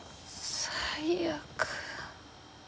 最悪。